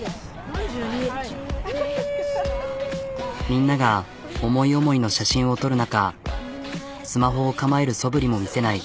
みんなが思い思いの写真を撮る中スマホを構えるそぶりも見せない。